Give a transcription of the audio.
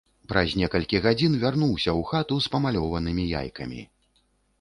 Праз некалькі гадзін вярнуўся ў хату з памалёванымі яйкамі.